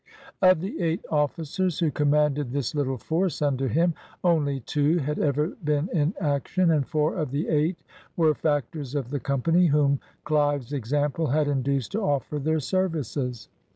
Of the eight officers who commanded this little force under him, only two had ever been in action, and four of the eight were factors of the Company, whom Clive's example had induced to offer their serv ices.